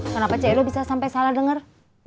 kenapa ce edo bisa sampai salah denger